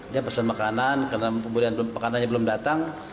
dia pesan makanan karena pemberian makanannya belum datang